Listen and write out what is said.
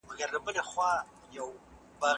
ځان وژنه حل لاره نه ده.